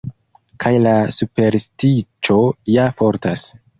Kaj la superstiĉo ja fortas.